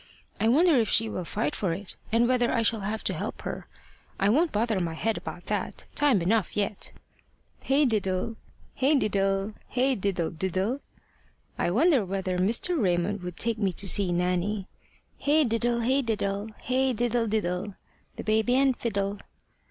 I wonder if she will fight for it, and whether I shall have to help her. I won't bother my head about that. Time enough yet! Hey diddle! hey diddle! hey diddle diddle! I wonder whether Mr. Raymond would take me to see Nanny. Hey diddle! hey diddle! hey diddle diddle! The baby and fiddle!